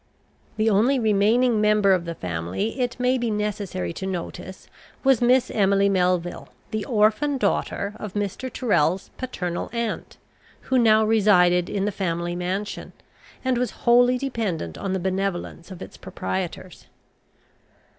The only remaining member of the family it may be necessary to notice was Miss Emily Melville, the orphan daughter of Mr. Tyrrel's paternal aunt; who now resided in the family mansion, and was wholly dependent on the benevolence of its proprietors.